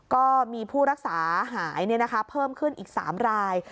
ก็มีผู้รักษาหายเพิ่มขึ้นอีก๓ราย